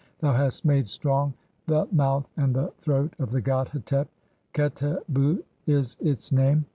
Thou hast made strong (?) the mouth "and the throat (?) of the god Hetep ; Qetetbu is its (?) name.